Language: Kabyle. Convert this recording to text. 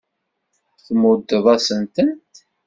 Tmuddeḍ-asen-tent.